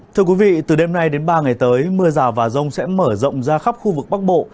thưa quý vị từ đêm nay đến ba ngày tới mưa rào và rông sẽ mở rộng ra khắp khu vực bắc bộ